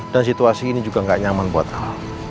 dan situasi ini juga gak nyaman buat al